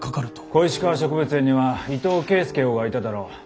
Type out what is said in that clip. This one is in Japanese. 小石川植物園には伊藤圭介翁がいただろう？